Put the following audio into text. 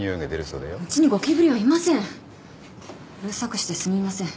うるさくしてすみません。